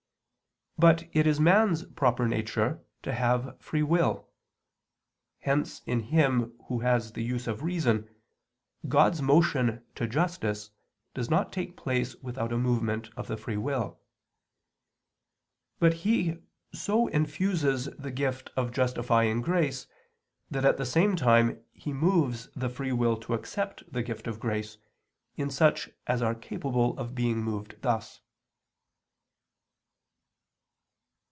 But it is man's proper nature to have free will. Hence in him who has the use of reason, God's motion to justice does not take place without a movement of the free will; but He so infuses the gift of justifying grace that at the same time He moves the free will to accept the gift of grace, in such as are capable of being moved thus.